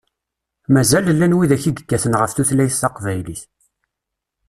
Mazal llan widak i yekkaten ɣef tutlayt taqbaylit.